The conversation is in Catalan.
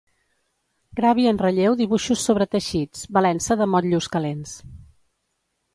Gravi en relleu dibuixos sobre teixits, valent-se de motllos calents.